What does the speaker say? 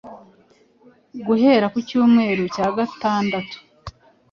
guhera ku cyumweru cya gatandatu